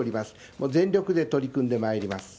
もう全力で取り組んでまいります。